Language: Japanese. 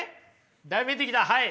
だいぶ見えてきたはい。